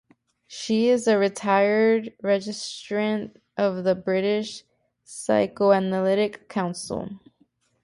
She is a retired registrant of the British Psychoanalytic Council.